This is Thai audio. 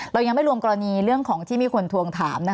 เรายังไม่รวมกรณีเรื่องของที่มีคนทวงถาม